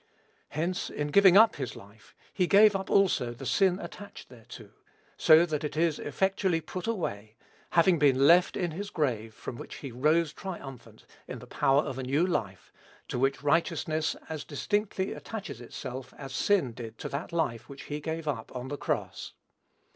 Hence, in giving up his life, he gave up also the sin attached thereto, so that it is effectually put away, having been left in his grave from which he rose triumphant, in the power of a new life, to which righteousness as distinctly attaches itself as did sin to that life which he gave up on the cross.